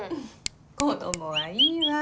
子どもはいいわ。